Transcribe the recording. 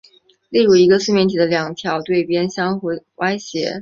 例如一个四面体的两条对边互相歪斜。